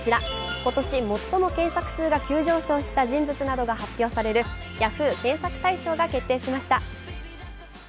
今年最も検索数が急上昇した人物などを発表するＹａｈｏｏ！検索大賞が決定しました。